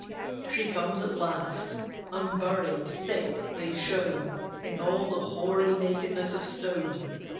She comes at last; unburied, thick, they show In all the hoary nakedness of stone.